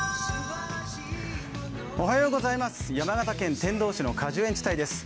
山形県天童市の果樹園地帯です。